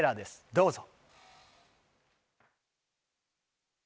どうぞ。